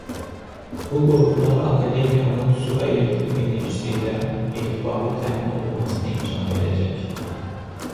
Bu qurğular akademiyanın su və elektrik enerjisi ilə etibarlı təmin olunmasına imkan verəcək.